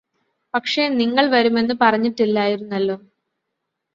പക്ഷെ നിങ്ങള് വരുമെന്ന് പറഞ്ഞിട്ടില്ലായിരുന്നല്ലോ